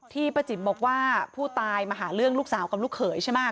ป้าจิ๋มบอกว่าผู้ตายมาหาเรื่องลูกสาวกับลูกเขยใช่ไหม